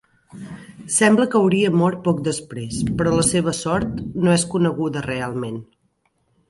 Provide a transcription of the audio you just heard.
Sembla que hauria mort poc després però la seva sort no és coneguda realment.